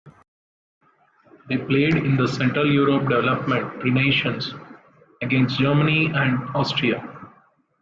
They played in the Central Europe Development Tri-Nations against Germany and Austria.